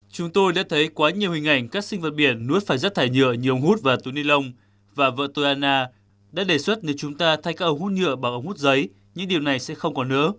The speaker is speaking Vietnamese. chúng tôi đã thấy quá nhiều hình ảnh các sinh vật biển nuốt phải rác thải nhựa nhiều ống hút và túi ni lông và vợ tôi anna đã đề xuất nếu chúng ta thay các ống hút nhựa bằng ống hút giấy những điều này sẽ không còn nữa